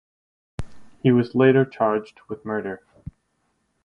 He was later charged with murder.